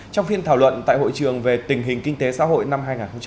trong phiên thảo luận tại hội trường về tình hình kinh tế xã hội năm hai nghìn một mươi tám